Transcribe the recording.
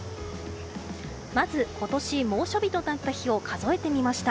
まず、今年猛暑日となった日を数えてみました。